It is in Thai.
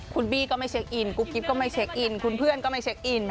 คุณบี้ก็ไม่เช็คอินกุ๊บกิ๊บก็ไม่เช็คอินคุณเพื่อนก็ไม่เช็คอิน